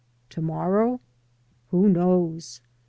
To morrow? Who knows?